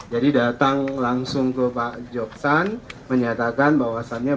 jadi datang langsung ke pak joksan menyatakan bahwasannya